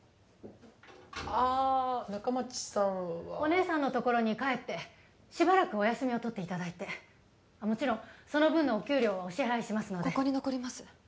あ仲町さんはお姉さんの所に帰ってしばらくお休みを取っていただいてもちろんその分のお給料はお支払いしますのでここに残ります